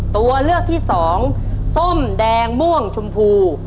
ตัวเลือกที่สองส้มแดงม่วงชมพู